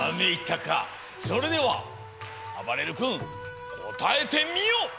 それではあばれる君こたえてみよ！